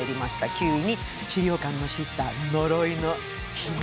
９位に「死霊館のシスター呪いの秘密」。